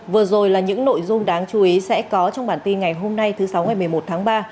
vừa rồi là những nội dung đáng chú ý sẽ có trong bản tin ngày hôm nay thứ sáu ngày một mươi một tháng ba